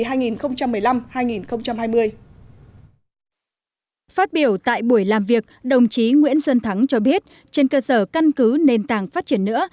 phát biểu tại buổi làm việc đồng chí nguyễn xuân thắng cho biết trên cơ sở căn cứ nền tảng phát triển nữa